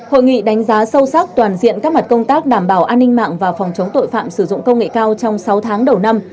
hội nghị đánh giá sâu sắc toàn diện các mặt công tác đảm bảo an ninh mạng và phòng chống tội phạm sử dụng công nghệ cao trong sáu tháng đầu năm